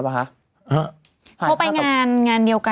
อร่อยออกชายอะไรแบบนี้ค่ะ